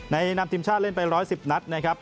นำทีมชาติเล่นไป๑๑๐นัดนะครับ